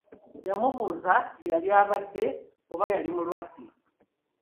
Yamubuuza kye yali abadde oba yali mulwadde.